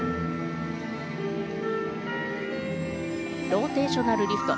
ローテーショナルリフト。